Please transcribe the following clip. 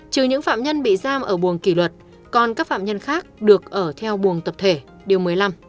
trừ những phạm nhân bị giam ở buồng kỷ luật còn các phạm nhân khác được ở theo buồng tập thể điều một mươi năm